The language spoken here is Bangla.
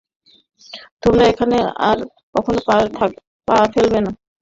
তোমরা এখানে আর কখনো পা ফেলবে না।